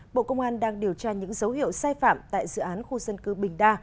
bộ công an đang điều tra những dấu hiệu sai phạm tại dự án khu dân cư bình đa